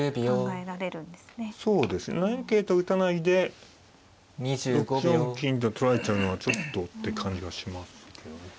桂と打たないで６四金と取られちゃうのはちょっとって感じがしますけどね。